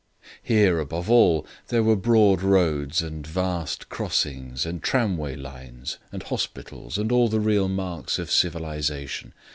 Here, above all, there were broad roads and vast crossings and tramway lines and hospitals and all the real marks of civilization.